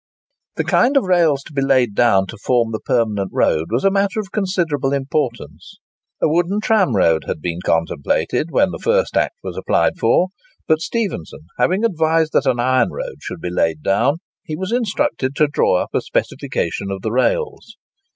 The kind of rails to be laid down to form the permanent road was a matter of considerable importance. A wooden tramroad had been contemplated when the first Act was applied for; but Stephenson having advised that an iron road should be laid down, he was instructed to draw up a specification of the rails.